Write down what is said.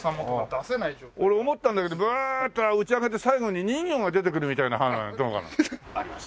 俺思ったんだけどブワーッと打ち上がって最後に人魚が出てくるみたいな花火はどうかな。あります。